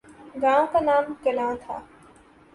گاؤں کا نام کلاں تھا ۔